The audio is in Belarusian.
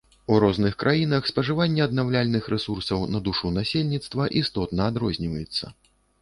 У розных краінах спажыванне аднаўляльных рэсурсаў на душу насельніцтва істотна адрозніваецца.